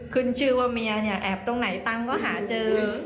ขึ้นชื่อว่าเมียเนี่ยแอบตรงไหนตังค์ก็หาเจอ